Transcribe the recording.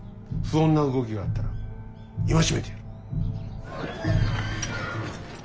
不穏な動きがあったら戒めてやる。